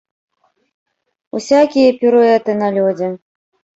Усякія піруэты на лёдзе.